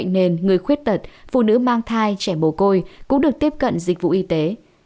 người khuyết tật phụ nữ mang thai trẻ bồ côi cũng được tiếp cận dịch vụ y tế